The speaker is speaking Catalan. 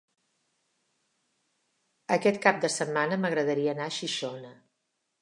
Aquest cap de setmana m'agradaria anar a Xixona.